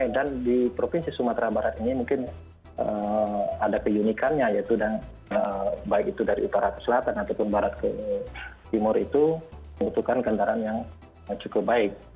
dan di provinsi sumatera barat ini mungkin ada keunikannya yaitu baik itu dari utara ke selatan ataupun barat ke timur itu membutuhkan kendaraan yang cukup baik